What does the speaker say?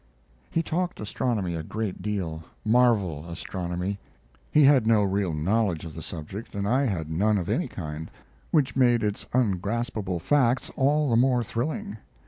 He talked astronomy a great deal marvel astronomy. He had no real knowledge of the subject, and I had none of any kind, which made its ungraspable facts all the more thrilling.